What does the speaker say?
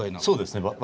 そうですね